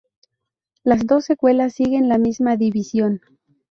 Las dos secuelas siguen la misma división.